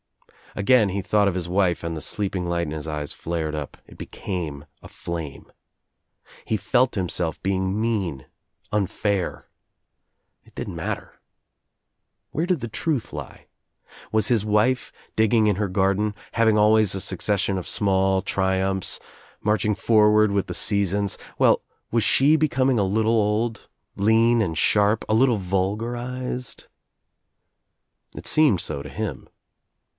Again he thought of his wife and the sleeping light in his eyes flared up, it became a flame. He felt him self being mean, unfair. It didn't matter. Where did the truth lie? Was his wife, digging in her garden, I having always a succession of small triumphs, march' ing forward with the seasons — well, was she becoming a little old, lean and sharp, a little vulgarized? It seemed so to him.